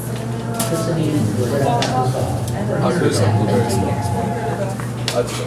ทฤษฎีของเธอได้รับการทดสอบ และพิสูจน์แล้วว่าเป็นจริง